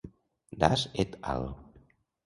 Das et al.